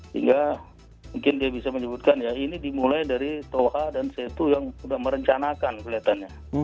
sehingga mungkin dia bisa menyebutkan ya ini dimulai dari toha dan setu yang sudah merencanakan kelihatannya